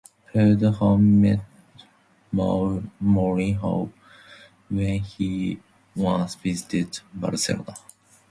Preud'homme met Mourinho when he once visited Barcelona.